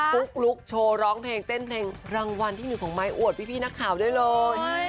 ปุ๊กลุ๊กโชว์ร้องเพลงเต้นเพลงรางวัลที่๑ของไม้อวดพี่นักข่าวได้เลย